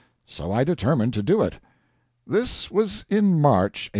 So I determined to do it. This was in March, 1878.